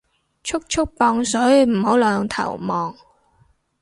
速速磅水唔好兩頭望